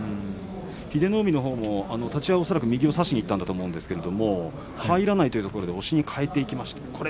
英乃海のほうも立ち合いは恐らく右を差しにいったと思うんですけれど入らないというところで押しに変えていきました。